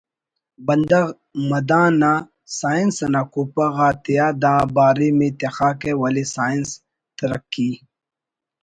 بندغ مدان آ ”سائنس“ انا کوپہ غا تیا دا باریم ءِ تخاکہ ولے سائنس…… ”ترقی